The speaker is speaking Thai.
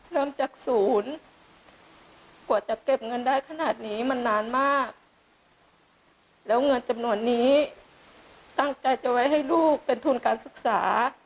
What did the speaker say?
เริ่มจากศูนย์กว่าจะเก็บเงินได้ขนาดนี้มันนานมากแล้วเงินจำนวนนี้ตั้งใจจะไว้ให้ลูกเป็นทุนการศึกษา